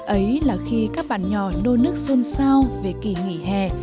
ấy là khi các bạn nhỏ nô nước xôn xao về kỳ nghỉ hè